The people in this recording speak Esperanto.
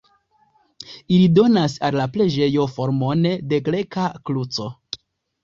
Ili donas al la preĝejo formon de greka kruco.